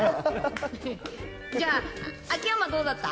じゃあ、秋山どうだった？